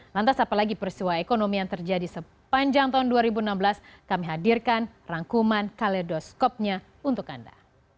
lantas apalagi peristiwa ekonomi yang terjadi sepanjang tahun dua ribu enam belas kami hadirkan rangkuman kaledoskopnya untuk anda